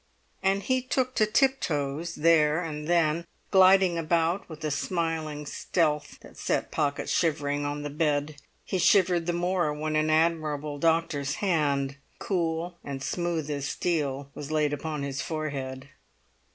And he took to tiptoes there and then, gliding about with a smiling stealth that set Pocket shivering on the bed; he shivered the more when an admirable doctor's hand, cool and smooth as steel, was laid upon his forehead.